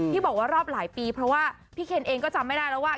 ที่บอกว่ารอบหลายปีเพราะว่าพี่เคนเองก็จำไม่ได้แล้วว่า